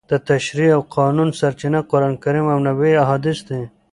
د تشریع او قانون سرچینه قرانکریم او نبوي احادیث دي.